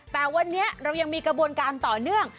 แต่วันนี้เรายังมีกระบวนการต่อเนื่อง